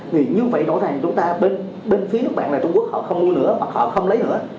thì như vậy rõ ràng chúng ta bên phía nước bạn là trung quốc họ không mua nữa hoặc họ không lấy nữa